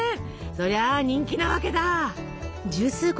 そりゃ人気なわけだ。